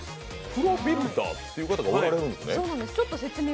プロビルダーっていう方がおられるんですね。